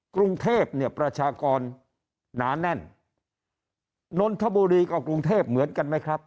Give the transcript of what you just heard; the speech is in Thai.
กรุงเทพเนี่ยประชากรหนาแน่นนทบุรีก็กรุงเทพเหมือนกันไหมครับ